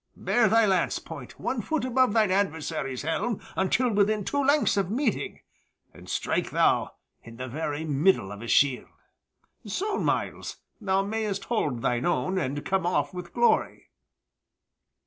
Bear thy lance point one foot above thine adversary's helm until within two lengths of meeting, and strike thou in the very middle of his shield. So, Myles, thou mayst hold thine own, and come off with glory."